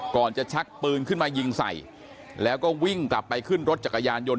จะชักปืนขึ้นมายิงใส่แล้วก็วิ่งกลับไปขึ้นรถจักรยานยนต